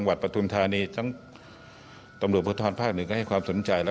วันนี้ชุดสืบสคร๕